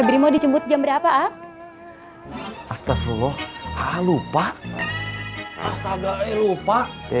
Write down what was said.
febri mau dicemput jam berapa ak astagfirullah lupa astaga lupa